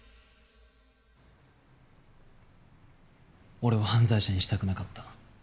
俺を犯罪者にしたくなかった。